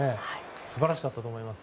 素晴らしかったと思います。